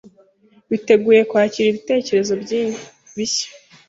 biteguye kwakira ibitekerezo bishya.